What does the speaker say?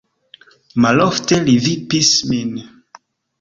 Malofte li vipis min.